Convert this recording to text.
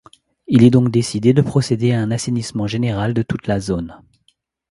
Il est donc décidé de procéder à un assainissement général de toute la zone.